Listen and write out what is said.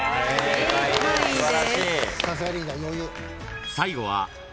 正解です。